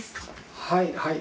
はいはい。